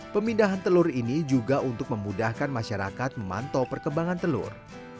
pemindahan telur ini juga untuk memudahkan masyarakat memantau perkembangan telur